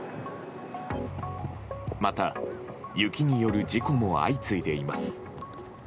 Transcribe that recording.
また、雪による事故も相次いでいます。